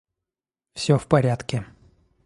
Всё в порядке.